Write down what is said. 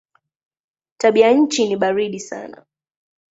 Tabianchi ni baridi sana.